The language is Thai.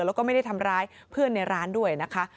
แล้วก็ไม่ได้ทำร้ายเพื่อนในร้านด้วยนะคะ